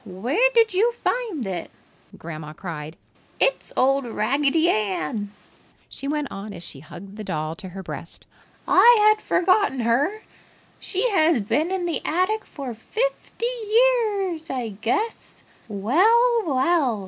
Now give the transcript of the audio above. Where did you find it?" Grandma cried. "It's old Raggedy Ann!" she went on as she hugged the doll to her breast. "I had forgotten her. She has been in the attic for fifty years, I guess! Well! Well!